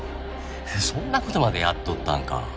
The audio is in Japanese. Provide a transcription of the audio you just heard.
そんな事までやっとったんか。